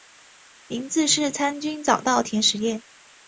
名字是参考早稻田实业。